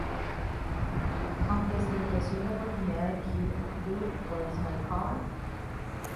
Aunque se le ofreció la oportunidad de dirigir "Dude, Where's My Car?